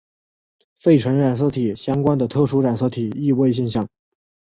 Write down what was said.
费城染色体相关的特殊染色体易位现象。